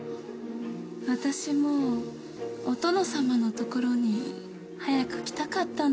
私もお殿様のところに早く来たかったんです。